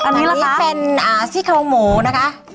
อันนี้ล่ะครับอันนี้เป็นสิ้นข้าวหมูนะคะ